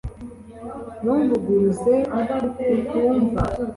ntumvuguruze utumva